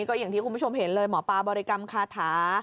ทีนี้คุณผู้ชมเห็นเลยหมอปลาบริกรรมคาถา